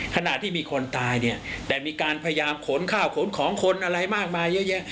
ขณะที่มีคนตายเนี่ยแต่มีการพยายามขนข้าวขนของคนอะไรมากมายเยอะแยะ